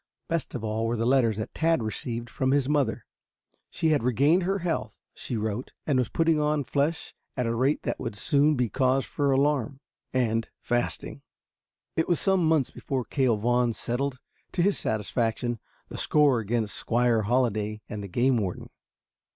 Best of all were the letters that Tad received from his mother. She had regained her health, she wrote, and was putting on flesh at a rate that would soon be cause for alarm and fasting. It was some months before Cale Vaughn settled, to his satisfaction, the score against Squire Halliday and the game warden.